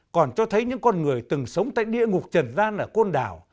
còn cho thấy những con người từng sống tại địa ngục trần gian ở côn đảo